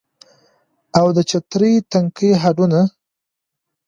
او د چترۍ تنکي هډونه